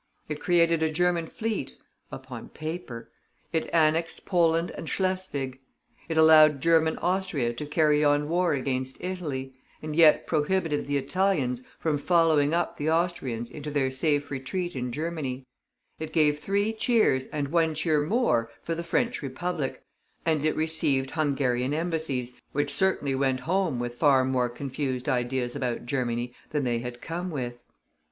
It created a German fleet upon paper; it annexed Poland and Schleswig; it allowed German Austria to carry on war against Italy, and yet prohibited the Italians from following up the Austrians into their safe retreat in Germany; it gave three cheers and one cheer more for the French republic, and it received Hungarian embassies, which certainly went home with far more confused ideas about Germany than they had come with.